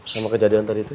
sama kejadian tadi tuh